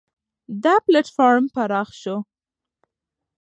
دا پلېټفارم پراخ شو.